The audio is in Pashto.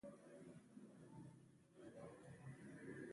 یعنې د انسانانو یوه اړتیا پوره کړي.